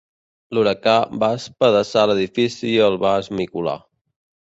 L'huracà va espedaçar l'edifici i el va esmicolar.